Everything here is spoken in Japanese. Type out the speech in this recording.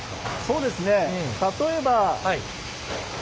そうですね例えば。